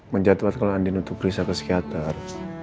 menjatuhkan ke andin untuk riset kesegiatan